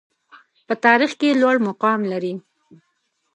په تاریخ کې لوړ مقام لري.